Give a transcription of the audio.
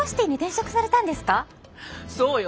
そうよ！